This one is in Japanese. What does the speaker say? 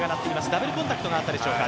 ダブルコンタクトがあったでしょうか。